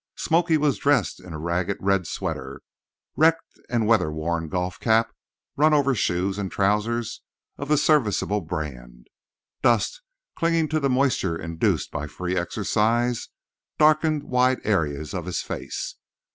"Smoky" was dressed in a ragged red sweater, wrecked and weather worn golf cap, run over shoes, and trousers of the "serviceable" brand. Dust, clinging to the moisture induced by free exercise, darkened wide areas of his face.